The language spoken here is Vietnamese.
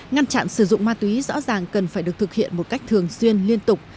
ngăn chặn sử dụng ma túy rõ ràng cần phải được thực hiện một cách thường xuyên liên tục